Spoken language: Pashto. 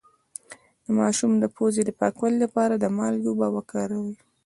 د ماشوم د پوزې د پاکوالي لپاره د مالګې اوبه وکاروئ